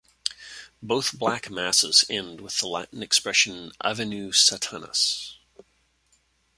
Both Black Masses end with the Latin expression Avenue, Satanas!